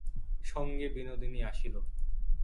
সঙ্গে বিনোদিনী আসিল।